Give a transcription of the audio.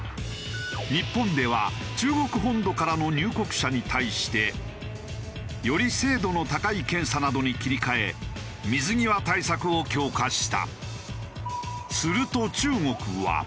日本では中国本土からの入国者に対してより精度の高い検査などに切り替え水際対策を強化した。